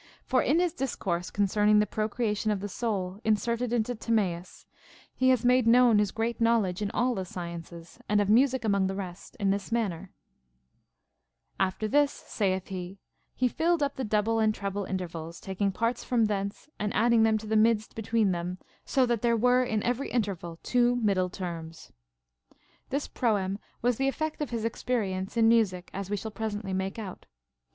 For in his discourse con cerning the procreation of the soul, inserted into Timaeus, he has made known his great knowledge in all the sciences, and of music among the rest, in this manner :" After this," saith he, " he filled up the double and treble intervals, taking parts from thence, and adding them to the midst between them, so that there were in every interval two mid dle terms." * This proem was the effect of his experience in music, as we shall presently make out.